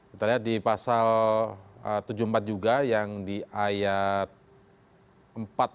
kita lihat di pasal tujuh puluh empat juga yang di ayat empat